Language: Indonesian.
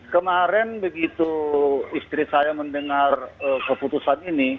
kemarin begitu istri saya mendengar keputusan ini